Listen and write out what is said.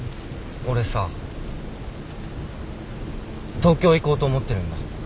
俺さ東京行こうと思ってるんだ。